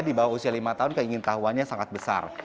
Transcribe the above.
di bawah usia lima tahun keingin tahuannya sangat besar